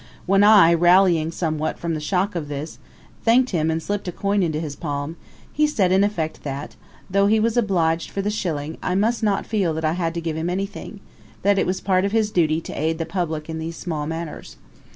When I, rallying somewhat from the shock of this, thanked him and slipped a coin into his palm, he said in effect that, though he was obliged for the shilling, I must not feel that I had to give him anything that it was part of his duty to aid the public in these small matters.